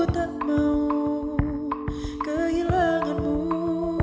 tak mau kehilanganmu